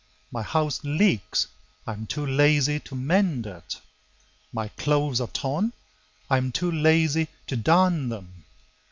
My house leaks; I am too lazy to mend it. My clothes are torn; I am too lazy to darn them.